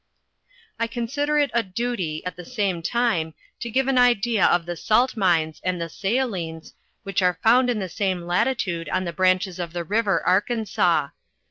I consider it a duty at thesnms time to give an idea of ths salt mines and the salines, which are found in tho same lati tude on the branches of the river Arkansas.